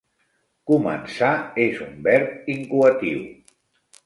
'Començar' és un verb incoatiu.